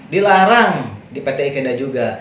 dilarang di pt ikeda juga